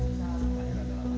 berjalan terus berjalan